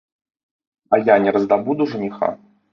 А я не раздабуду жаніха?